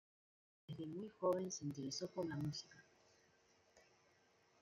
Desde muy joven se interesó por la música.